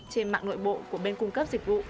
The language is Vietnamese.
trên mạng nội bộ của bên cung cấp dịch vụ